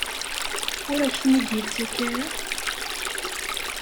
Ur ak-ten-id-yettak ara?